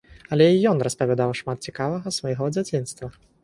Але і ён распавядаў шмат цікавага з свайго дзяцінства.